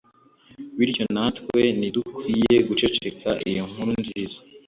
Bityo natwe ntidukwiye guceceka iyo nkuru nziza